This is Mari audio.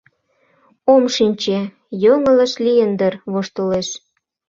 — Ом шинче, йоҥылыш лийын дыр, — воштылеш.